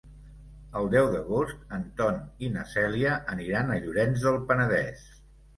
El deu d'agost en Ton i na Cèlia aniran a Llorenç del Penedès.